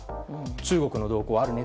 中国の動向もあるよね